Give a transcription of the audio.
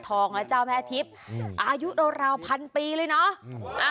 และเจ้าแม่ทิพย์อายุราวพันปีเลยเนาะ